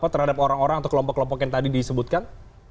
terhadap orang orang atau kelompok kelompok yang tadi disebutkan